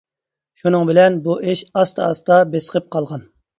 شۇنىڭ بىلەن بۇ ئىش ئاستا-ئاستا بېسىقىپ قالغان.